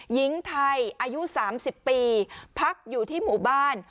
หญิงไทยอายุ๓๐ปีพักอยู่ที่หมู่บ้าน